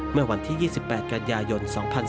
เมื่อวันที่๒๘กันยายน๒๔